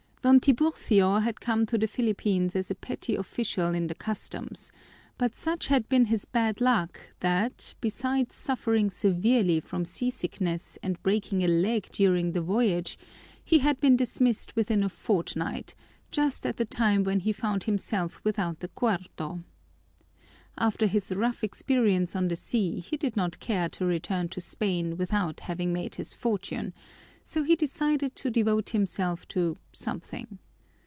Don Tiburcio had come to the Philippines as a petty official in the Customs, but such had been his bad luck that, besides suffering severely from seasickness and breaking a leg during the voyage, he had been dismissed within a fortnight, just at the time when he found himself without a cuarto. After his rough experience on the sea he did not care to return to Spain without having made his fortune, so he decided to devote himself to something.